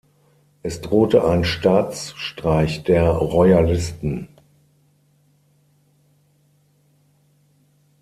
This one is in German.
Es drohte ein Staatsstreich der Royalisten.